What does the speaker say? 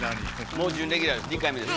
もう準レギュラーです